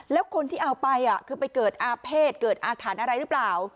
แล้วคนที่เอาไปคือไปเกิดอาเภษเกิดอาถรรพ์อะไรหรือเปล่า